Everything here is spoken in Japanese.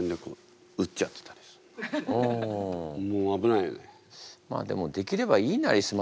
もう危ないよね。